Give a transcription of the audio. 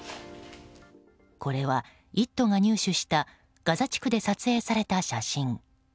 これは「イット！」が入手したガザ地区で撮影された写真。